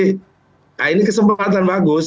nah ini kesempatan bagus